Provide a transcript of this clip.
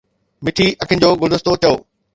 مٺي اکين جو گلدستو چئو